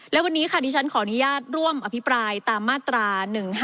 และวันนี้ค่ะดิฉันขออนุญาตร่วมอภิปรายตามมาตรา๑๕